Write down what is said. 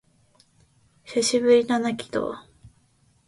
久しぶりだな、鬼道